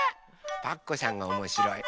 パクこさんがおもしろい。